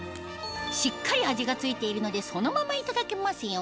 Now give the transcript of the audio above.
しっかり味が付いているのでそのままいただけますよ